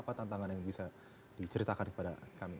apa tantangan yang bisa diceritakan kepada kami